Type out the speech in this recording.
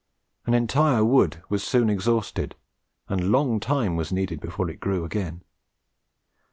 An entire wood was soon exhausted, and long time was needed before it grew again.